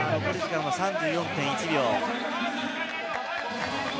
残り時間は３４．１秒。